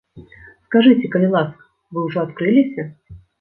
Скажыце, калі ласка, вы ўжо адкрыліся?